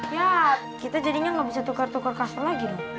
ya kita jadinya gak bisa tukar tukar kasur lagi